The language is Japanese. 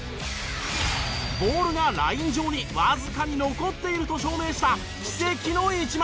ボールがライン上にわずかに残っていると証明した奇跡の１枚。